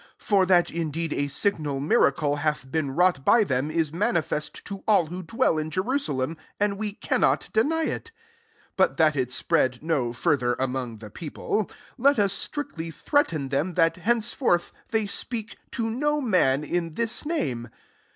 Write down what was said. for that indeed a sig lal miracle hath been wrought >y them, ia manifest to all who iwell in Jerusalem, and we can K>t deny iV. 17 But, that it spread )o further among the people, et us strictly threaten them hat, hencefi>rth, they speak to \o man in this name."